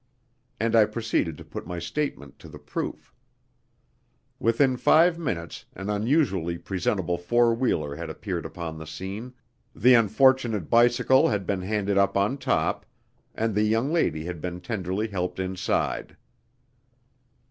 And I proceeded to put my statement to the proof. Within five minutes an unusually presentable four wheeler had appeared upon the scene, the unfortunate bicycle had been handed up on top, and the young lady had been tenderly helped inside.